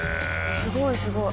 すごいすごい！